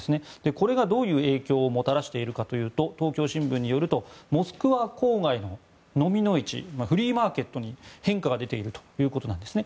これがどういう影響をもたらしているかというと東京新聞によるとモスクワ郊外のノミの市フリーマーケットに変化が出ているということなんですね。